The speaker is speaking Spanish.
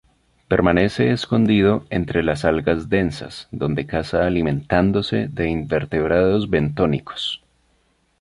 Permanece escondido entre las algas densas, donde caza alimentándose de invertebrados bentónicos.